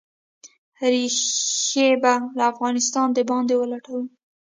ریښې به «له افغانستانه د باندې ولټوو».